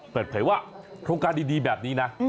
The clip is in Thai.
เปิดเผยว่าโครงการดีแบบนี้นะ